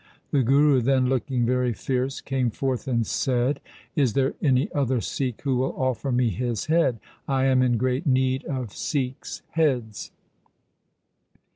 The Guru then looking very fierce came forth and said, ' Is there any other Sikh who will offer me his head ? I am in great need of Sikhs' heads.'